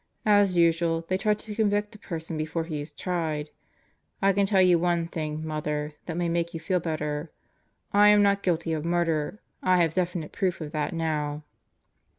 As usual, they try to convict a person before he is tried. I can tell you one thing, Mother, that may make you feel better: I am not guilty of murder. I have definite proof of that now.'